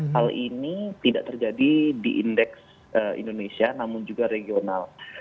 hal ini tidak terjadi di indeks indonesia namun juga regional